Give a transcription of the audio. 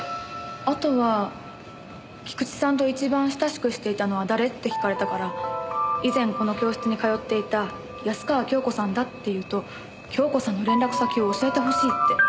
あとは菊地さんと一番親しくしていたのは誰？って聞かれたから以前この教室に通っていた安川恭子さんだって言うと恭子さんの連絡先を教えてほしいって。